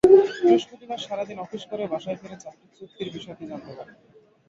বৃহস্পতিবার সারা দিন অফিস করে বাসায় ফিরে চাকরিচ্যুতির বিষয়টি জানতে পারি।